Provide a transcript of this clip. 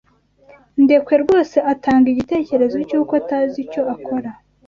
Ndekwe rwose atanga igitekerezo cyuko atazi icyo akora.